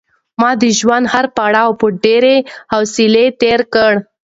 ما د ژوند هر پړاو په ډېرې حوصلې تېر کړ.